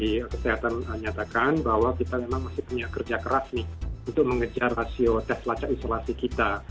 jadi kesehatan menyatakan bahwa kita memang masih punya kerja keras nih untuk mengejar rasio tes lacak isolasi kita